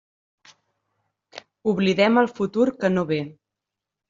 Oblidem el futur que no ve.